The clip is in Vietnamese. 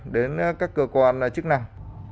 đến các cơ quan chức năng